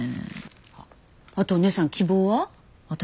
ああとお姉さん希望は？